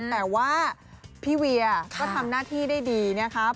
แต่ว่าพี่เวียก็ทำหน้าที่ได้ดีนะครับ